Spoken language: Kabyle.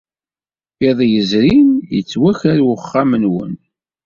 Iḍ yezrin, yettwaker wexxam-nwen.